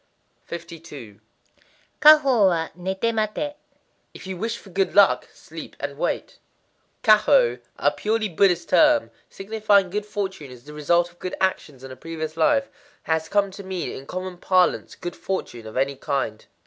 52.—Kwahō wa, nété maté. If you wish for good luck, sleep and wait. Kwahō, a purely Buddhist term, signifying good fortune as the result of good actions in a previous life, has come to mean in common parlance good fortune of any kind.